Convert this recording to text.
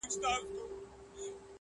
په اولس کي به دي ږغ «منظورومه »،